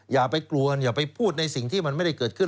อย่าไปกลัวอย่าไปพูดในสิ่งที่มันไม่ได้เกิดขึ้น